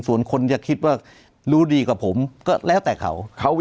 ส่วนคนจะคิดว่ารู้ดีกว่าผมก็แล้วแต่เขา